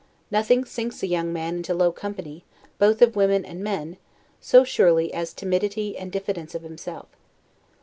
Nothing sinks a young man into low company, both of women and men, so surely as timidity and diffidence of himself.